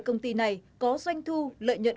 công ty này có doanh thu lợi nhận